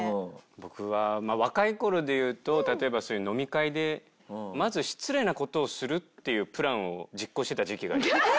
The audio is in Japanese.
僕は若い頃でいうと例えばそういう飲み会でまず失礼な事をするっていうプランを実行してた時期があります。